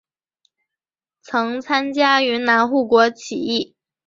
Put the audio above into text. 曾参加云南护国起义。